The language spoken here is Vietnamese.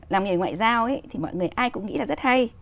làm nghề ngoại giao thì mọi người ai cũng nghĩ là rất hay